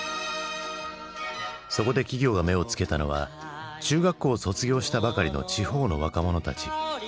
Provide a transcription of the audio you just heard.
そこで企業が目をつけたのは中学校を卒業したばかりの地方の若者たち。